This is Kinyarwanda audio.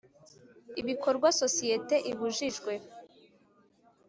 Ibikorwa sosiyete ibujijwe